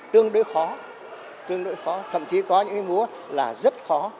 tương đối khó tương đối khó thậm chí có những múa là rất khó